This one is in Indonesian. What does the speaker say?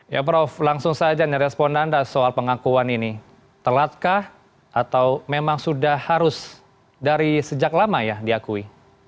ya prof langsung saja respon anda soal pengakuan ini telatkah atau memang sudah harus dari sejak lama ya diakui